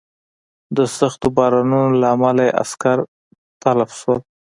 د سختو بارانونو له امله یې عسکر تلف شول.